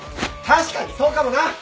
確かにそうかもな！